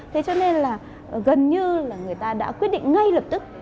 thế cho nên là gần như là người ta đã quyết định ngay lập tức